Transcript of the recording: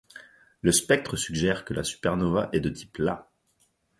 Le spectre suggère que la supernova est de type Ia.